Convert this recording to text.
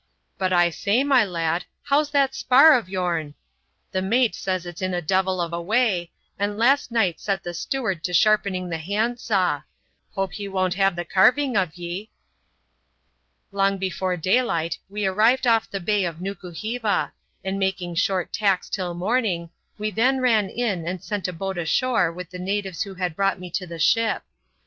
But I say, my lad, how's that spar of your'n ? the mate says it's in a devil of a way ; and last night set the steward to sharpening the handsaw : hope he won't have the carving of ye." Long before daylight we arrived off the bay of Nukuheva, and, making short tacks until morning, we then ran in, and sent a boat ashore with the natives who had brought me to the ship.